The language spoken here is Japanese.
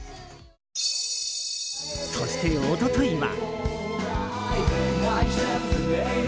そして、一昨日は。